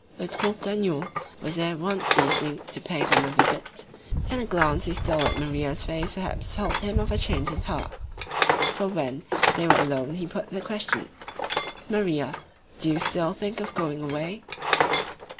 Eutrope Gagnon was there one evening to pay them a visit, and a glance he stole at Maria's face perhaps told him of a change in her, for when, they were alone he put the question: "Maria, do you still think of going away?"